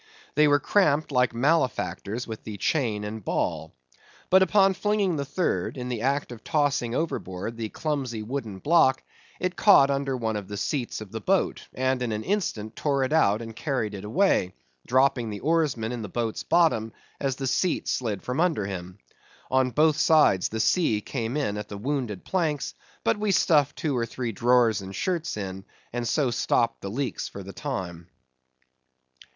They were cramped like malefactors with the chain and ball. But upon flinging the third, in the act of tossing overboard the clumsy wooden block, it caught under one of the seats of the boat, and in an instant tore it out and carried it away, dropping the oarsman in the boat's bottom as the seat slid from under him. On both sides the sea came in at the wounded planks, but we stuffed two or three drawers and shirts in, and so stopped the leaks for the time.